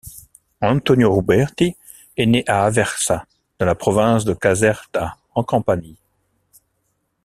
Antonio Ruberti est né à Aversa dans la province de Caserta, en Campanie.